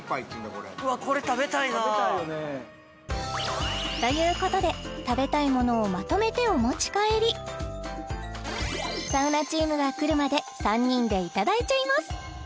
これ・うわこれ食べたいなあ！ということで食べたいものをまとめてお持ち帰りサウナチームが来るまで３人でいただいちゃいます